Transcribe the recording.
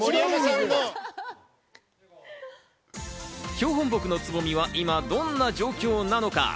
標本木のつぼみは今、どんな状況なのか？